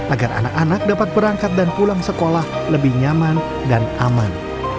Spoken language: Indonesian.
agar anak anak dapat berangkat dan pulang sekolah lebih nyaman dan aman